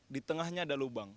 di tengahnya ada lubang